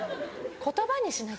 言葉にしなきゃ。